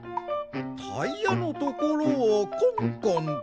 タイヤのところをコンコンとな？